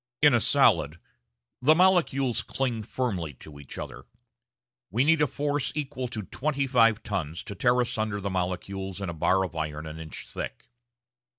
In a solid the molecules cling firmly to each other. We need a force equal to twenty five tons to tear asunder the molecules in a bar of iron an inch thick.